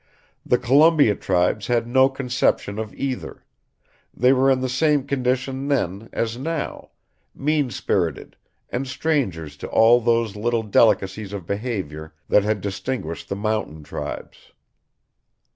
The Columbia tribes had no conception of either; they were in the same condition then as now, mean spirited, and strangers to all those little delicacies of behavior that had distinguished the mountain tribes.